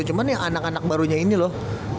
cuman yang anak anak barunya ini loh